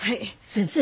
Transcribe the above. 先生。